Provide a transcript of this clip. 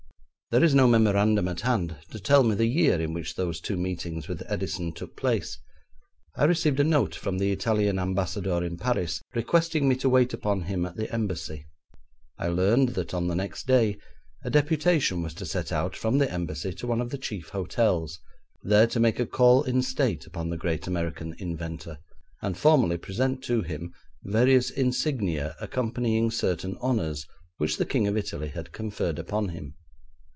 There is no memorandum at hand to tell me the year in which those two meetings with Edison took place. I received a note from the Italian Ambassador in Paris requesting me to wait upon him at the Embassy. I learned that on the next day a deputation was to set out from the Embassy to one of the chief hotels, there to make a call in state upon the great American inventor, and formally present to him various insignia accompanying certain honours which the King of Italy had conferred upon him.